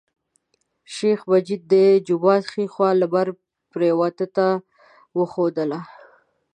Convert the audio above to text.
شیخ مجید د جومات ښی خوا لمر پریواته ته وښودله.